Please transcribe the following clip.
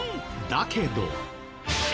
だけど。